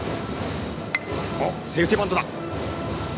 セーフティーバントだ。